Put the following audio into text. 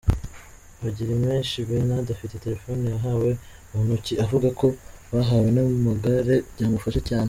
Bagiramenshi Bernard, afite telefone yahawe mu ntoki, avuga ko bahawe n’amagare byamufasha cyane.